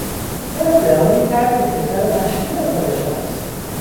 او ادعا میکرد که پسر مشروع پادشاه است.